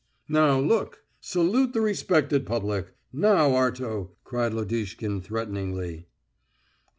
Now look! Salute the respected public. Now, Arto!" cried Lodishkin threateningly.